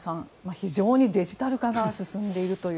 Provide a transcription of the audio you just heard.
非常にデジタル化が進んでいるという。